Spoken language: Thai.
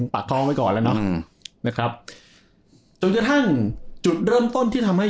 ปากท้องไว้ก่อนแล้วเนาะนะครับจนกระทั่งจุดเริ่มต้นที่ทำให้